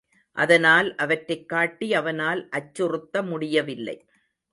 அதனால் அவற்றைக் காட்டி அவனால் அச்சுறுத்த முடியவில்லை.